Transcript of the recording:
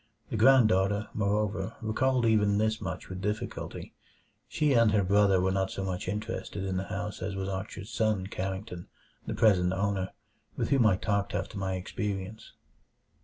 The granddaughter, moreover, recalled even this much with difficulty. She and her brother were not so much interested in the house as was Archer's son Carrington, the present owner, with whom I talked after my experience.